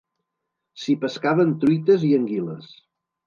S'hi pescaven truites i anguiles.